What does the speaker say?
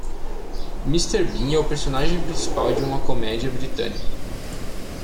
Mr. Bean é o personagem principal de uma comédia britânica.